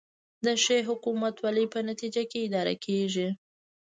د ښې حکومتولې په نتیجه کې اداره کیږي